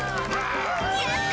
やった！